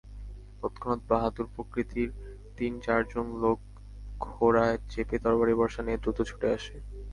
তৎক্ষণাৎ বাহাদুর প্রকৃতির তিন-চারজন লোক ঘোড়ায় চেপে তরবারি-বর্শা নিয়ে দ্রুত ছুটে আসে।